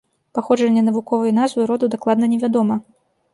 Паходжанне навуковай назвы роду дакладна невядома.